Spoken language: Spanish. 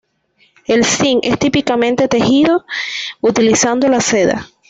El sinh es típicamente tejido utilizando la seda.